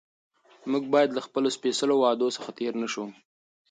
موږ باید له خپلو سپېڅلو وعدو څخه تېر نه شو